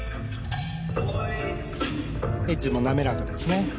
エッジも滑らかですね。